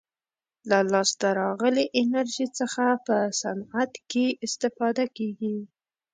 له لاسته راغلې انرژي څخه په صنعت کې استفاده کیږي.